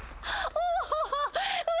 お。